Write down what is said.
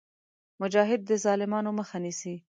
مجاهد د ظالمانو مخه نیسي.